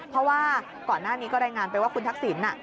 เพราะว่าก่อนหน้านี้ก็รายงานไปว่าคุณทักษิณ